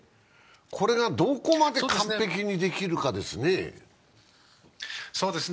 これがどこまで完璧にできるかですね。